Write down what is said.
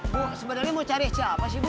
bu sebenarnya mau cari siapa sih bu